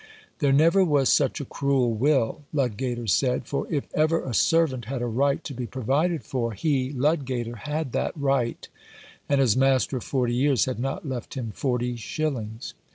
There never was such a cruel will, Ludgater said, for if ever a servant had a right to be provided for, he — Ludgater — had that right, and his master of forty years had not left him forty shillings.